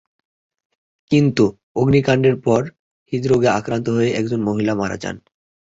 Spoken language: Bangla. কিন্তু, অগ্নিকান্ডের পর হৃদরোগে আক্রান্ত হয়ে একজন মহিলা মারা যান।